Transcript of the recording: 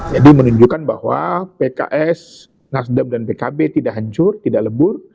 jadi menunjukkan bahwa pks nasdem dan pkb tidak hancur tidak lebur